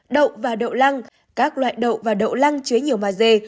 đậu và đậu lang các loại đậu và đậu lang chứa nhiều maze